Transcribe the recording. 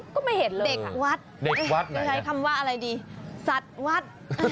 ก็ไม่เห็นเลยค่ะเด็กวัดในคำว่าอะไรดีสัตวัด